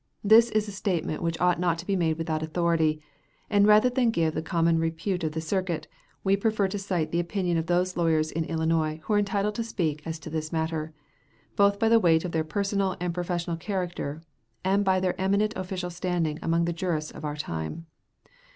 This is a statement which ought not to be made without authority, and rather than give the common repute of the circuit, we prefer to cite the opinion of those lawyers of Illinois who are entitled to speak as to this matter, both by the weight of their personal and professional character and by their eminent official standing among the jurists of our time.